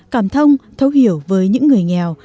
cảm thông thấu hiểu với những người nghèo